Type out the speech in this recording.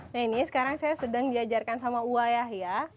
nah ini sekarang saya sedang diajarkan sama wah yahya